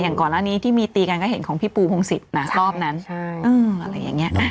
ก่อนหน้านี้ที่มีตีกันก็เห็นของพี่ปูพงศิษย์นะรอบนั้นอะไรอย่างนี้